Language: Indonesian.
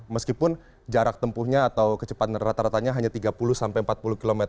meskipun jarak tempuhnya atau kecepatan rata ratanya hanya tiga puluh sampai empat puluh km